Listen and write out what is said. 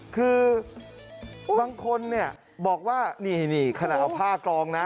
คือบางคนเนี่ยบอกว่านี่ขนาดเอาผ้ากรองนะ